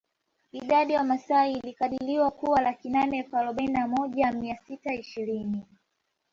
Idadi ya Wamasai ilikadiriwa kuwa laki nane elfu arobaini na moja mia sita ishirini